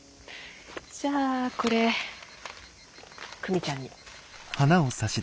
じゃあこれ久美ちゃんに。